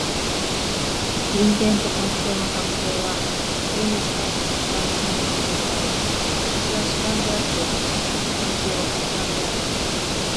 人間と環境の関係は普通に主観と客観の関係と呼ばれ、私は主観であって、環境は客観である。